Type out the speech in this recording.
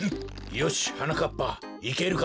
よしはなかっぱいけるか？